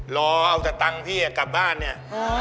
รอเอาสตังค์พี่กลับบ้านเนี่ย